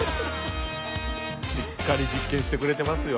しっかり実験してくれてますよ。